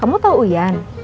kamu tau uyan